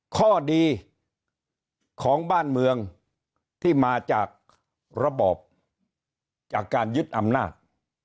ข้อดีของบ้านเมืองที่มาจากระบอบจากการยึดอำนาจ